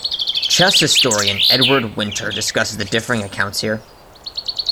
Chess historian Edward Winter discusses the differing accounts here.